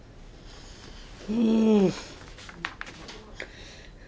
うん。